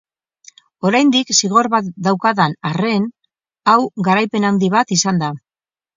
Oraindik zigor bat daukadan arren, hau garaipen handi bat izan da.